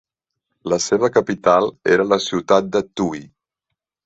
La seva capital era la ciutat de Tui.